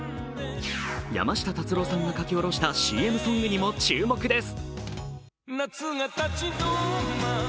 山下達郎さんが書き下ろしたＣＭソングにも注目です。